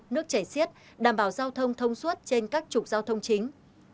nước chảy xiết đảm bảo giao thông thông suốt trên các trục giao thông chính